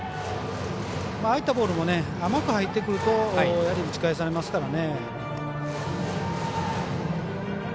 ああいったボールも甘く入ってくるとやはり打ち返されますからね。